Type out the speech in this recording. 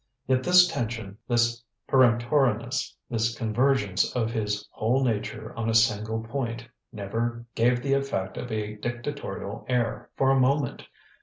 Yet this tension, this peremptoriness, this convergence of his whole nature on a single point, never gave the effect of a dictatorial air for a moment.